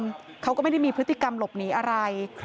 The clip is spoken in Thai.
เพราะว่าเขาก็ไม่มีพฤติกรรมหลบหนีอะไร